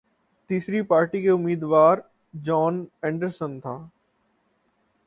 تیسری پارٹی کے امیدوار جان اینڈرسن تھا